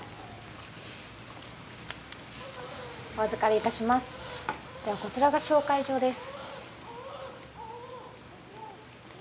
お預かりいたしますではこちらが紹介状です